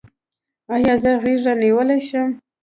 ایا زه غیږه نیولی شم؟